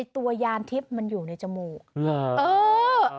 ตัวยานทริปมันอยู่ในจมูก